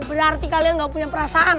berarti kalian nggak punya perasaan